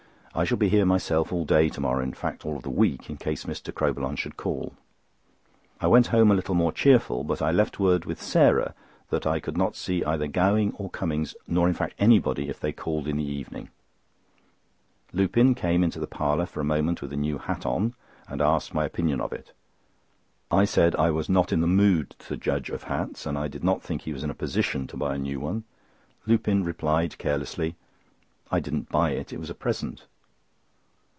I shall be here myself all day to morrow, in fact all the week, in case Mr. Crowbillon should call." I went home a little more cheerful, but I left word with Sarah that I could not see either Gowing or Cummings, nor in fact anybody, if they called in the evening. Lupin came into the parlour for a moment with a new hat on, and asked my opinion of it. I said I was not in the mood to judge of hats, and I did not think he was in a position to buy a new one. Lupin replied carelessly: "I didn't buy it; it was a present."